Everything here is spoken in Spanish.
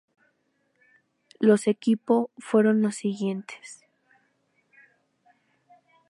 Los equipo fueron los siguientes